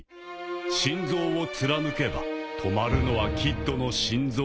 心臓を貫けば止まるのはキッドの心臓というわけだ。